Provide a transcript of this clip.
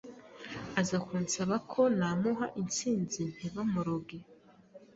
aza kunsaba ko namuha insinzi ntibamuroge